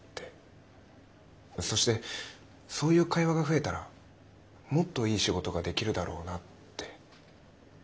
そしてそういう会話が増えたらもっといい仕事ができるだろうなって。